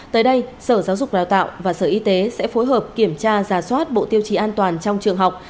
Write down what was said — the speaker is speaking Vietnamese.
tới đây sở giáo dục đào tạo và sở y tế sẽ phối hợp kiểm tra giả soát bộ tiêu chí an toàn trong trường học